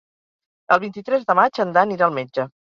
El vint-i-tres de maig en Dan irà al metge.